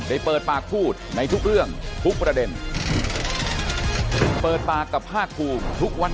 เปิดปากพูดในทุกเรื่องทุกประเด็นเปิดปากกับภาคภูมิทุกวัน